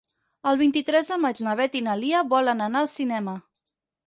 El vint-i-tres de maig na Beth i na Lia volen anar al cinema.